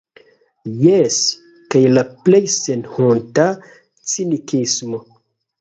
Jes, kaj la plej senhonta cinikismo.